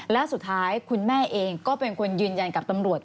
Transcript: และสุดท้ายคุณแม่เองก็เป็นคนยืนยันกับตำรวจ